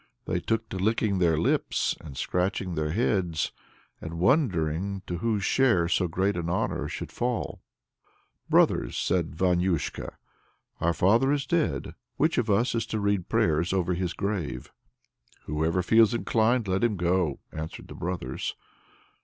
They took to licking their lips, and scratching their heads, and wondering to whose share so great an honor would fall. "Brothers!" said Vanyusha, "our father is dead; which of us is to read prayers over his grave?" "Whoever feels inclined, let him go!" answered the brothers.